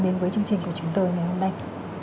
đến với chương trình của chúng tôi ngày hôm nay